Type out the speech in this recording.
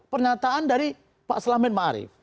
pernyataan dari pak selamen ma'ruf